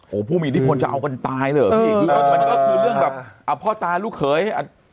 โหผู้มีอิทธิพลจะเอากันตายเลยเหรอมันก็คือเรื่องแบบพ่อตายลูกเขย